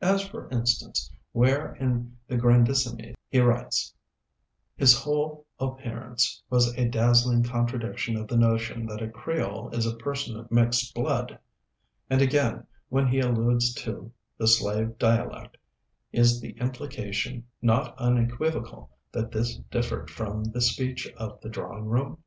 As for instance where in 'The Grandissimes' he writes, "His whole appearance was a dazzling contradiction of the notion that a Creole is a person of mixed blood"; and again when he alludes to "the slave dialect," is the implication not unequivocal that this differed from the speech of the drawing room?